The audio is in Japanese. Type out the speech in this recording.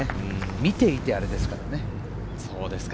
見ていてあれですからね。